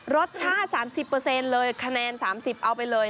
รสชาติ๓๐เลยคะแนน๓๐เอาไปเลย